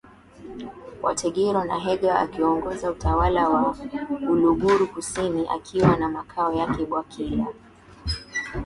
wa Tegetero na Hega akiongoza Utawala wa Uluguru kusini akiwa na makao yake Bwakila